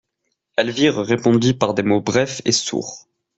Elvire répondit par des mots brefs et sourds.